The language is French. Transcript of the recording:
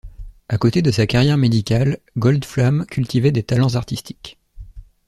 À côté de sa carrière médicale, Goldflam cultivait des talents artistiques.